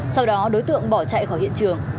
sau đó đối tượng bỏ chạy khỏi hiện trường